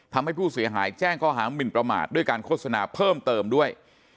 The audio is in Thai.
ทำให้ผู้เสียหายแจ้งข้อหามินประมาทด้วยการโฆษณาเพิ่มเติมด้วย